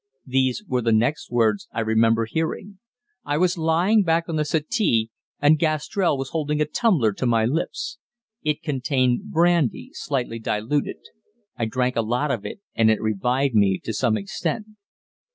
These were the next words I remember hearing. I was lying back on the settee, and Gastrell was holding a tumbler to my lips. It contained brandy slightly diluted. I drank a lot of it, and it revived me to some extent.